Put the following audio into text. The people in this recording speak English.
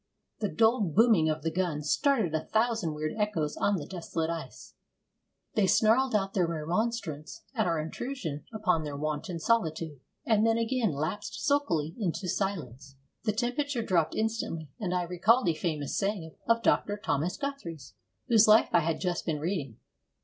The dull booming of the gun started a thousand weird echoes on the desolate ice. They snarled out their remonstrance at our intrusion upon their wonted solitude, and then again lapsed sulkily into silence. The temperature dropped instantly, and I recalled a famous saying of Dr. Thomas Guthrie's, whose life I had just been reading.